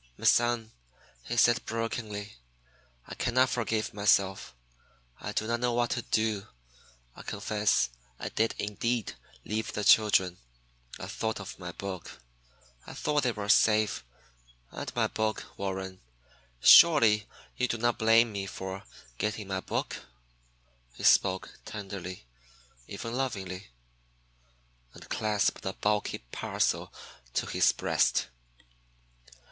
"My son," he said brokenly, "I can not forgive myself. I do not know what to do. I confess I did indeed leave the children. I thought of my book. I thought they were safe and my book Warren, surely you do not blame me for getting my book?" He spoke tenderly, even lovingly, and clasped the bulky parcel to his breast.